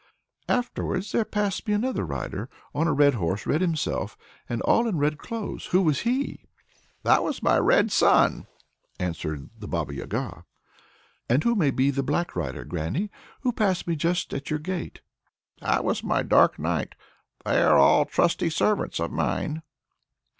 "Afterwards there passed me another rider, on a red horse; red himself, and all in red clothes. Who was he?" "That was my red Sun!" answered the Baba Yaga. "And who may be the black rider, granny, who passed by me just at your gate?" "That was my dark Night; they are all trusty servants of mine."